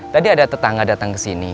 tadi ada tetangga datang kesini